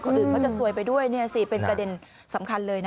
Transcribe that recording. คนอื่นก็จะสวยไปด้วยเป็นประเด็นสำคัญเลยนะ